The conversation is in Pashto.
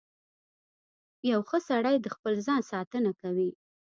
• یو ښه سړی د خپل ځان ساتنه کوي.